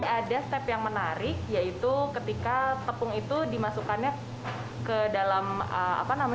ada step yang menarik yaitu ketika tepung itu dimasukkannya ke dalam apa namanya